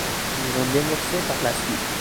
Ils ont divorcé par la suite.